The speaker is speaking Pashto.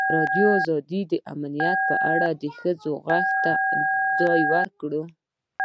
ازادي راډیو د امنیت په اړه د ښځو غږ ته ځای ورکړی.